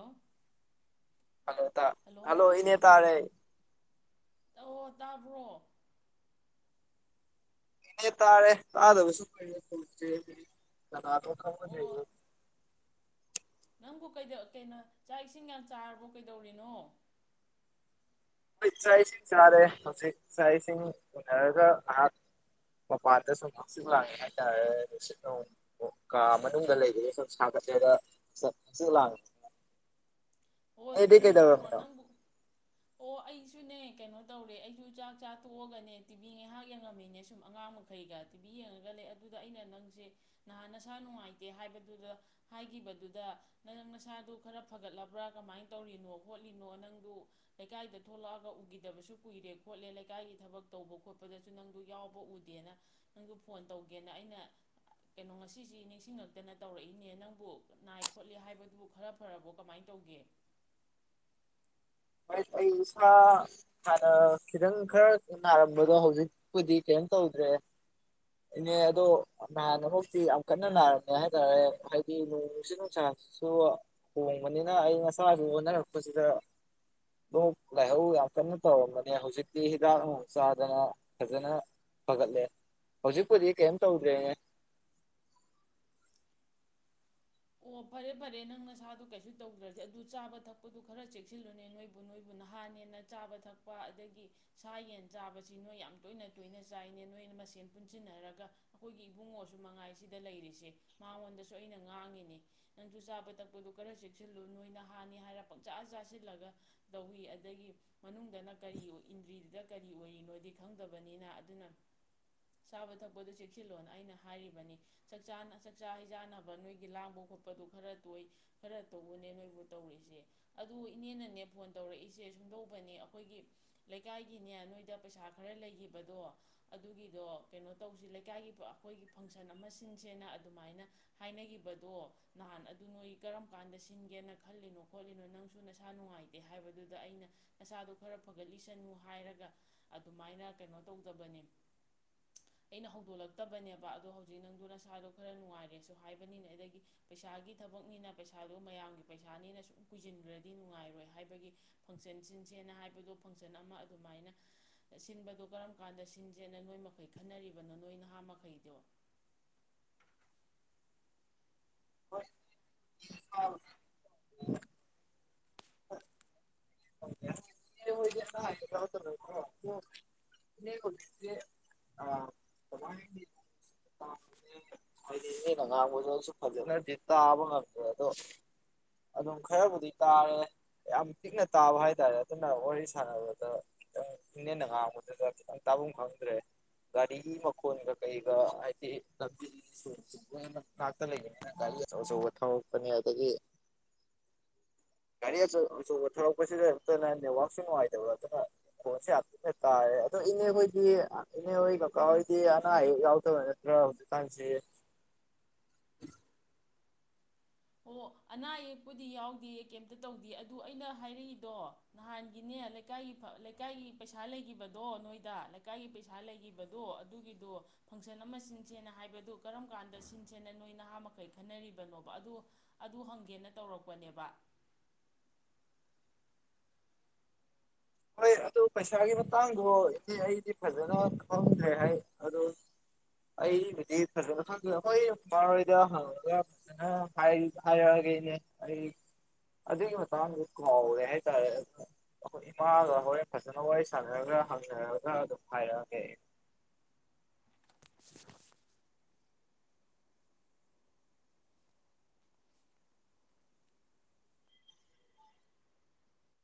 ꯑꯣ꯫ Hello hello ꯏꯅꯦ ꯇꯥꯔꯦ ꯇꯧꯑꯣ ꯇꯥꯕ꯭ꯔꯣ ꯇꯥꯔꯦ ꯇꯥꯗꯕꯁꯨ ꯀꯩ ꯑꯣ ꯅꯪꯕꯨ ꯀꯩ ꯀꯩꯅꯣ ꯆꯥꯛ ꯏꯁꯤꯡ ꯌꯥꯝ ꯆꯥꯔꯕꯣ ꯀꯩꯗꯧꯔꯤꯅꯣ ꯁꯁꯤꯡ ꯁꯥꯥꯔꯦ ꯍꯧ ꯏꯁꯁꯤꯡ ꯎꯅꯔꯒ ꯃ ꯄꯥꯗꯁꯨꯁꯤꯉꯦ ꯍꯥꯏꯇꯥꯦ ꯑꯣ ꯀꯥ ꯃꯅꯨꯡꯗ ꯂꯩꯒꯒꯦ ꯁꯨꯝ ꯁꯥꯒꯠꯂꯦꯗ ꯂꯥꯡ ꯍꯣꯏ ꯀꯩꯅꯣ ꯇꯈ꯭ꯔꯣ ꯀꯩꯗꯧꯔꯝꯃꯤꯅꯣ ꯅꯪꯕꯨ ꯑꯣ ꯑꯩꯁꯨꯅꯦ ꯀꯩꯅꯣ ꯇꯧꯔꯦ ꯑꯩꯁꯨ ꯆꯥꯛ ꯆꯥ ꯇꯣꯛꯑꯒꯅꯦ ꯇꯤꯕꯤ ꯉꯥꯏꯍꯥꯛ ꯌꯦꯡꯉꯝꯃꯤꯅꯦ ꯁꯨꯝ ꯑꯉꯥꯡꯃ ꯩꯒ ꯇꯤꯚꯤ ꯌꯦꯡꯉꯒ ꯂꯩ ꯑꯗꯨꯗ ꯑꯩꯅ ꯅꯪꯁꯦ ꯅꯍꯥꯟ ꯅꯁꯥ ꯅꯨꯡꯉꯥꯏꯇꯦ ꯍꯥꯏꯕꯗꯨꯗ ꯍꯥꯏꯈꯤꯕꯗꯨꯗ ꯅꯪ ꯅꯁꯥꯗꯨ ꯈꯔ ꯐꯒꯠꯂꯕ ꯑꯗꯨ꯭ꯔꯥ ꯀꯃꯥꯏꯅ ꯇꯧꯔꯤꯅꯣ ꯈꯣꯠꯂꯤꯅꯣ ꯅꯪꯗꯨ ꯂꯩꯀꯥꯏꯗ ꯊꯣꯛꯂꯛꯑꯒ ꯎꯈꯤꯗꯕꯁꯨ ꯀꯨꯏꯔꯦ ꯈꯣꯠꯂꯦ ꯂꯩꯀꯥꯏꯒꯤ ꯊꯕꯛ ꯇꯧꯕ ꯈꯣꯠꯄꯗ ꯁꯨ ꯅꯪꯗꯨ ꯌꯥꯎꯕ ꯎꯗꯦꯅ ꯅꯪꯗꯨ ꯐꯣꯟ ꯇꯧꯒꯦꯅ ꯑꯩꯅ ꯀꯩꯅꯣ ꯉꯁꯤꯁꯤ ꯅꯤꯡꯁꯤꯡꯉꯛꯇꯅ ꯇꯧꯔꯛꯏꯅꯦ ꯅꯪꯕꯨ ꯅꯥꯏ ꯈꯣꯠꯂꯤ ꯍꯥꯏꯕꯗꯨꯕꯨ ꯈꯔ ꯐꯔꯕꯣ ꯀꯃꯥꯏꯅ ꯇ ꯇꯧꯒꯦ ꯃ ꯄꯩ ꯎꯁꯥ ꯍꯥꯟꯅ ꯈꯤꯇꯪ ꯈꯔ ꯅꯥꯔꯝꯕꯗꯣ ꯍꯧꯖꯤꯛꯄꯨꯗꯤ ꯀꯩꯝ ꯇꯧꯗ꯭ꯔꯦ ꯏꯅꯦ ꯑꯗꯣ ꯅꯍꯥꯟꯐꯥꯎꯛꯇꯤ ꯌꯥꯝ ꯀꯟꯅ ꯅꯥꯔꯝꯃꯦ ꯍꯥꯏꯇꯥꯔꯦ ꯍꯥꯏꯗꯤ ꯅꯣꯡꯁꯤ ꯅꯨꯡꯁꯥꯁꯨ ꯑꯣ ꯃꯅꯤꯅ ꯑꯩꯩꯅ ꯉꯁꯥ ꯍꯥꯏꯅꯛꯄꯣꯁꯤꯗ ꯑꯗꯨ ꯂꯥꯏꯍꯧ ꯌꯥꯝ ꯀꯟꯅ ꯇꯧꯔꯝꯕꯅꯦ ꯍꯧꯖꯤꯛꯇꯤ ꯍꯤꯗꯥꯛ ꯅꯨꯡ ꯆꯥꯗꯅ ꯐꯖꯅ ꯐꯒꯠꯂꯦ ꯍꯧꯖꯤꯛꯄꯣꯗꯤ ꯀꯦꯟ ꯇꯧꯗ꯭ꯔꯦ ꯑꯣ ꯐꯔꯦ ꯐꯔꯦ ꯅꯪ ꯅꯁꯥꯗꯣ ꯀꯩꯁꯨ ꯇꯧꯗ꯭ꯔꯗꯤꯦ ꯑꯗꯨ ꯆꯥꯕ ꯊꯛꯄꯗꯨ ꯈꯔ ꯆꯦꯛꯁꯤꯜꯂꯨꯅꯦ ꯅꯣꯏꯕꯨ ꯕꯨ ꯅꯣꯏꯕꯨ ꯅꯍꯥꯟ ꯍꯦꯟꯅ ꯆꯥꯕ ꯊꯛꯄ ꯑꯗꯒꯤ ꯁꯥ ꯌꯦꯟ ꯆꯥꯕꯁꯤ ꯅꯣꯏ ꯌꯥꯝ ꯇꯣꯏꯅ ꯇꯣꯏꯅ ꯆꯥꯏꯅꯦ ꯅꯣꯏꯅ ꯃꯁꯦꯟ ꯄꯨꯟꯁꯤꯟꯅꯔꯒ ꯑꯩꯈꯣꯏꯒꯤ ꯏꯕꯨꯡꯉꯣꯁꯨ ꯃꯉꯥꯏꯁꯤꯗ ꯂꯩꯔꯤꯁꯦ ꯃꯉꯣꯟꯗꯁꯨ ꯑꯩꯅ ꯉꯥꯡꯉꯤꯅꯦ ꯅꯪꯁꯨ ꯆꯥꯕ ꯇꯛꯄꯗ ꯈꯔ ꯆꯦꯛꯁꯤꯜꯂꯨ ꯅꯣꯏꯅ ꯍꯥꯟꯅꯤ ꯍꯥꯏꯔ ꯄꯪꯆꯥꯥ ꯆꯥꯁꯤꯜꯂꯒ ꯇꯧꯋꯤ ꯑꯗꯒꯤ ꯃꯅꯨꯡꯗꯅ ꯀꯔꯤ ꯏꯟꯗ꯭ꯔꯤꯗꯨꯗ ꯀꯔꯤ ꯑꯣꯏꯔꯤꯅꯣꯗꯤ ꯈꯪꯗꯕꯅꯤꯅ ꯑꯗꯨꯅ ꯆꯥꯕ ꯊꯛꯄꯗꯨ ꯆꯦꯛꯁꯤꯜꯂꯣꯅ ꯑꯩꯅ ꯍꯥꯏꯔꯤꯕꯅꯤ ꯆꯥꯛ ꯆꯥꯛꯆꯥ ꯍꯩꯖꯥꯟꯅꯕ ꯅꯣꯏꯒꯤ ꯂꯥꯡꯕ ꯈꯣꯠꯄꯗꯨ ꯈꯔ ꯇꯣꯏ ꯈꯔ ꯇꯧꯕꯅꯦ ꯅꯣꯏꯕꯨ ꯇꯧꯔꯤꯁꯦ ꯑꯗꯨ ꯏꯅꯦꯅꯅꯦ ꯐꯣꯟ ꯇꯧꯔꯛꯏꯁꯦ ꯁꯨꯝꯗꯧꯕꯅꯦ ꯑꯩꯈꯣꯏꯒꯤ ꯂꯩꯀꯥꯏꯒꯤꯅꯦ ꯅꯣꯏꯗ ꯄꯩꯁꯥ ꯈꯔ ꯂꯩꯈꯤꯕꯗꯣ ꯑꯗꯨꯒꯤꯗꯣ ꯀꯩꯅꯣ ꯇꯧꯁꯤ ꯂꯩꯀꯥꯏꯒꯤ ꯑꯩꯈꯣꯏꯒꯤ ꯐꯪꯁꯟ ꯑꯃ ꯁꯤꯟꯁꯦꯅ ꯑꯗꯨꯃꯥꯏꯅ ꯍꯥꯏꯅꯈꯤꯕꯗꯣ ꯅꯍꯥꯟ ꯑꯗꯨ ꯅꯣꯏ ꯀꯔꯝ ꯀꯥꯟꯗ ꯁꯤꯟꯒꯦꯅ ꯈꯜꯂꯤꯅꯣ ꯈꯣꯠꯂꯤꯅꯣ ꯅꯪꯁꯨ ꯅꯁꯥ ꯅꯨꯡꯉꯥꯏꯇꯦ ꯍꯥꯏꯕꯗꯨꯗ ꯑꯩꯅ ꯅꯁꯥꯗꯣ ꯈꯔ ꯐꯒꯠꯂꯤꯁꯅꯨ ꯍꯥꯏꯔꯒ ꯑꯗꯨꯃꯥꯏꯅ ꯀꯩꯅꯣ ꯇꯧꯗꯕꯅꯤ ꯑꯩꯅ ꯍꯧꯗꯣꯛꯂꯛꯇꯕꯅꯦꯕ ꯑꯗꯣ ꯍꯧꯖꯤꯛ ꯅꯪꯗꯨ ꯅꯁꯥꯗꯣ ꯈꯔ ꯅꯨꯡꯉꯥꯏꯔꯦꯁꯨ ꯍꯥꯏꯕꯅꯤꯅꯦ ꯑꯗꯒꯤ ꯄꯩꯁꯥꯒꯤ ꯊꯕꯛꯅꯤꯅ ꯄꯩꯁꯥꯗꯨꯣ ꯃꯌꯥꯝꯒꯤ ꯄꯩꯁꯥꯅꯤꯅ ꯁꯨꯝ ꯀꯨꯏꯁꯤꯟꯈ꯭ꯔꯗꯤ ꯅꯨꯡꯉꯥꯏꯔꯣꯏ ꯍꯥꯏꯕꯒꯤ ꯐꯪꯁꯟꯁꯤꯡꯁꯦꯅ ꯍꯥꯏꯕꯗꯣ ꯐꯪꯁꯟ ꯑꯃ ꯑꯗꯨꯃꯥꯏꯅ ꯁꯤꯟꯕꯗꯣ ꯀꯔꯝ ꯀꯥꯟꯗ ꯁꯤꯟꯁꯦꯅ ꯅꯣꯏ ꯃꯈꯩ ꯈꯟꯅꯔꯤꯕꯅꯣ ꯅꯣꯏ ꯅꯍꯥ ꯃꯈꯩꯗꯣ ꯍ ꯑꯥꯎ ꯑ ꯆ [unintelligible] ꯍꯥꯏꯗꯤ ꯃꯤꯩꯅ ꯉꯥꯡꯕꯗꯁꯨ ꯐꯖꯅꯗꯤ ꯇꯥꯕ ꯉꯝꯗ꯭ꯔꯦ ꯑꯗꯣ ꯑꯗꯨꯝ ꯈꯔꯕꯨꯗꯤ ꯇꯥꯔꯦ ꯌꯥꯝ ꯄꯤꯛꯅ ꯇꯥꯕ ꯍꯥꯏꯇꯥꯔꯦ ꯑꯗꯨꯝ ꯅ ꯋꯥꯔꯤ ꯁꯥꯟꯅꯕꯗ ꯈꯤꯇꯪ ꯏꯪꯅꯦꯟꯅ ꯉꯥꯡꯕꯗꯨꯗ ꯈꯤꯇꯪ ꯇꯥꯐꯝ ꯈꯪꯗ꯭ꯔꯦ ꯒꯥꯔꯤ ꯃꯈꯣꯟꯒ ꯀꯩꯒ ꯍꯥꯏꯗꯤ ꯂꯝꯕꯤ [unintelligible] ꯉꯥꯛꯇ ꯂꯩꯕꯅꯤꯅ ꯒꯥꯔꯤ ꯑꯆꯧ ꯑꯆꯧꯕ ꯊꯧꯔꯛꯄꯅꯤ ꯑꯗꯒꯤ ꯒꯥꯔꯤ ꯑꯆꯧ ꯑꯆꯧꯕ ꯊꯧꯔꯛꯄꯁꯤꯗ ꯅꯠꯇꯅꯥ ꯅ‌ꯦꯠꯋꯥꯛꯁꯨ ꯅꯨꯡꯉꯥꯏꯇꯕ ꯑꯗꯨꯅ ꯈꫭꯟꯁ‌ꯦ ꯌꯥꯝ ꯄꯤꯛꯅ ꯇꯥꯔꯦ ꯑꯗꯣ ꯏꯅꯦ ꯍꯣꯏꯗꯤ ꯏꯅꯦ ꯍꯣꯏ ꯀꯀꯥ ꯍꯣꯏꯗꯤ ꯑꯅꯥ ꯑꯌꯦꯛ ꯌꯥꯎꯗꯕ ꯅꯠ ꯇꯔꫭ ꯍꯧꯖꯤꯛꯀꯥꯟꯁꯦ ꯑꯣ ꯑꯅꯥ ꯑꯌꯦꯛꯄꯨꯗꯤ ꯌꯥꯎꯗꯦ ꯀꯩꯝꯇ ꯇꯧꯗꯦ ꯑꯗꯨ ꯑꯩꯅ ꯍꯥꯏꯔꯛꯏꯗꯣ ꯅꯍꯥꯟꯒꯤꯅꯦ ꯂꯩꯀꯥꯏꯒꯤ ꯂꯩꯀꯥꯏꯒꯤ ꯄꯩꯁꯥ ꯂꯩꯈꯤꯕꯗꯣ ꯅꯣꯏꯗ ꯂꯩꯀꯥꯏꯒꯤ ꯄꯩꯁꯥ ꯂꯩꯒꯤꯈꯤꯕ ꯗꯣ ꯑꯗꯨꯒꯤꯗꯣ ꯐꯪꯁꯟ ꯑꯃ ꯁꯤꯟꯁꯦꯅ ꯍꯥꯏꯕꯗꯨ ꯀꯔꯝ ꯀꯥꯟꯗ ꯁꯤꯟꯁꯦꯅ ꯅꯣꯏ ꯅꯍꯥ ꯃꯈꯩ ꯈꯟꯅꯔꯤꯕꯅꯣꯕ ꯑꯗꯨ ꯑꯗꯨ ꯍꯪꯒꯦꯅ ꯇꯧꯔꯛꯄꯅꯦꯕ ꯍꯣꯏ ꯑꯗꯨ ꯄꯩꯁꯥꯒꯤ ꯃꯇꯥꯡꯗꯣ ꯏꯅꯦ ꯑꯩꯗꯤ ꯐꯖꯅ ꯈꯪꯗ꯭ꯔꯦ ꯍꯥꯏ ꯑꯗꫭ ꯑꯩꯕꯨꯗꯤ ꯐꯖꯅ ꯈꯪꯗꯦ ꯑꯩꯈꫭꯏ ꯕꯕꯥ ꯍꫭꯏꯗ ꯍꯪꯉꯒ ꯐꯖꯅ ꯍꯥ ꯍꯥꯏꯔꯛ ꯑꯒꯦ ꯏꯅꯦ ꯑꯩ ꯑꯗꯨꯒꯤ ꯃꯇꯥꯡꯗ ꯀꯥꯎꯔꯦ ꯍꯥꯏꯇꯥꯔꯦ ꯑꯩꯈꯣꯏ ꯃꯥꯒ ꯍꯣꯔꯦꯟ ꯐꯖꯅ ꯋꯥꯔꯤ ꯁꯥꯟꯅꯔꯒ ꯍꯪꯅꯔꯒ ꯑꯗꯨꯝ ꯍꯥꯏꯔꯛꯑꯒꯦ ꯑꯩ [inaudible]